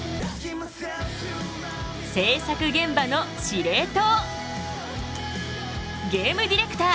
制作現場の司令塔！